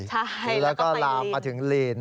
แล้วก็ลามมาถึงลีน